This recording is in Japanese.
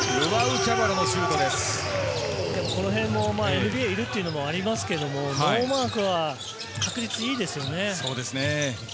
ＮＢＡにいるというのもありますがノーマークは確実にいいですよね。